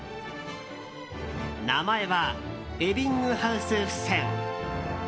名前は、エビングハウスフセン。